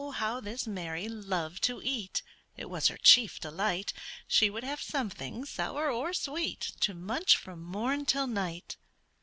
how this Mary loved to eat, It was her chief delight; She would have something, sour or sweet, To munch from morn till night.